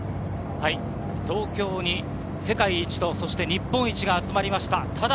東京に世界一と日本一が集まりました。